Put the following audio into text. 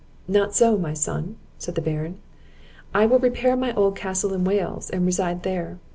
"Not so, my son," said the Baron; "I will repair my old castle in Wales, and reside there.